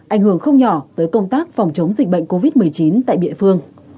ảnh hưởng không nhỏ tới công tác phòng chống dịch bệnh covid một mươi chín tại địa phương